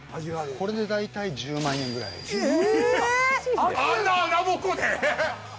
これで大体１０万円ぐらいええ！？